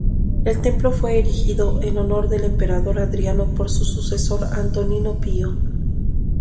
El templo fue erigido en honor del emperador Adriano por su sucesor Antonino Pío.